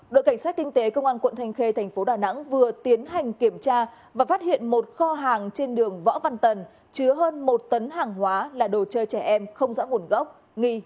đội cảnh sát kinh tế công an quận thành khê tp đà nẵng vừa tiến hành kiểm tra và phát hiện một kho hàng trên đường võ văn tần chứa hơn một tấn hàng hóa là đồ chơi trẻ em không rõ nguồn gốc nghi là nhập lộ